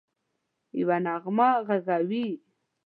یوه نغمه ږغوي